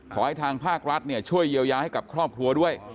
ขอให้ทางภาครัฐช่วยเยียวยาให้กับครอบครัวด้วย